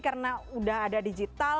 karena udah ada digital